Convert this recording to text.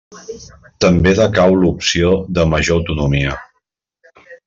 També decau l'opció de major autonomia.